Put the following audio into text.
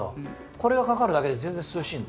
これがかかるだけで全然涼しいんだ。